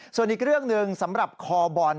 ส่วนอีกเรื่องหนึ่งสำหรับคอบอล